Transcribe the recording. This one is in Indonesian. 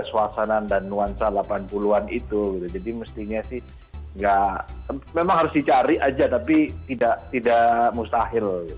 suasanan dan nuansa delapan puluh an itu gitu jadi mestinya sih nggak memang harus dicari aja tapi tidak mustahil